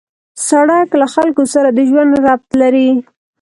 سړک له خلکو سره د ژوند ربط لري.